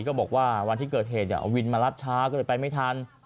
บอกว่าวันที่เกิดเหตุเอาวินมารับช้าก็เลยไปไม่ทัน